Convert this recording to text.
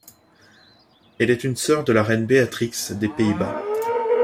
Elle est une sœur de la reine Beatrix des Pays-Bas.